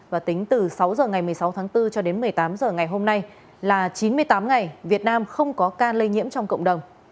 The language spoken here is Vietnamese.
và tính từ sáu h ngày một mươi sáu tháng bốn cho đến một mươi tám h ngày hôm nay là chín mươi tám ngày việt nam không có ca lây nhiễm trong cộng đồng